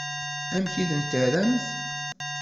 Amek i ten-terramt?